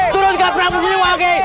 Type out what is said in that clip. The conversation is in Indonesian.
turun ke prabu siliwangi